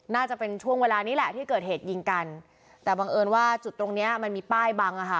น่าจะเป็นช่วงเวลานี้แหละที่เกิดเหตุยิงกันแต่บังเอิญว่าจุดตรงเนี้ยมันมีป้ายบังอ่ะค่ะ